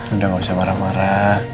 udah gak usah marah marah